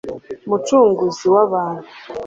mucunguzi wabantu